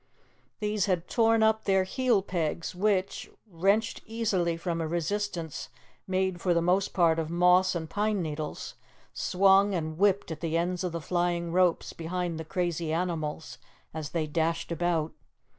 These had torn up their heel pegs, which, wrenched easily from a resistance made for the most part of moss and pine needles, swung and whipped at the ends of the flying ropes behind the crazy animals as they dashed about.